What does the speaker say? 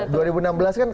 jadi gimana gimana tuh